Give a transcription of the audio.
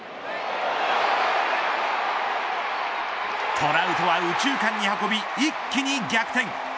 トラウトは右中間に運び一気に逆転。